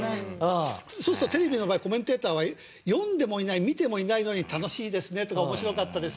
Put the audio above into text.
そうするとテレビの場合コメンテーターは読んでもいない見てもいないのに「楽しいですね」とか「面白かったです」